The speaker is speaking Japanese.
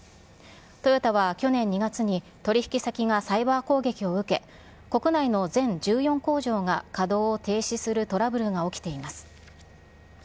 トヨタは去年２月に取り引き先がサイバー攻撃を受け、国内の全１４工場が稼働を停止するトラブルが起きています。